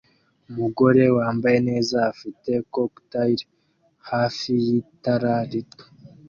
Umugore wambaye neza afite cocktail hafi y'itara rito